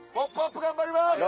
頑張ります